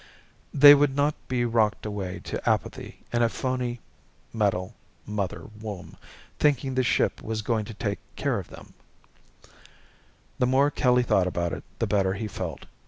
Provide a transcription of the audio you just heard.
They would not be rocked away to apathy in a phony metal mother womb, thinking the ship was going to take care of them! The more Kelly thought about it, the better he felt.